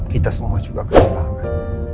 kita semua juga kehilangan